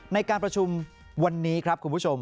ในการประชุมวันนี้ครับคุณผู้ชม